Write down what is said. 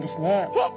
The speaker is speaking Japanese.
えっ！？